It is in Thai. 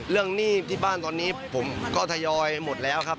หนี้ที่บ้านตอนนี้ผมก็ทยอยหมดแล้วครับ